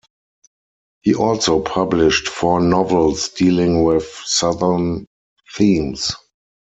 He also published four novels dealing with Southern themes.